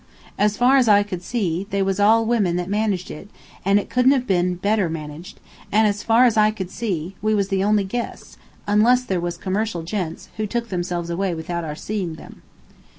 As far as I could see, they was all women that managed it, and it couldn't have been managed better; and as far as I could see, we was the only guests, unless there was "commercial gents," who took themselves away without our seeing them.